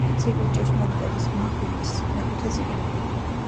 ციკლ „ჭეშმარიტების მახვილის“ მეხუთე წიგნი.